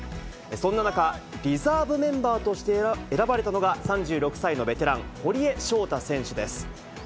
そんな中、リザーブメンバーとして選ばれたのが、３６歳のベテラン、堀江翔太選手です。